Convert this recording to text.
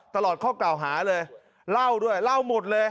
ตลอดข้อกล่าวหาเลยเล่าด้วยเล่าหมดเลย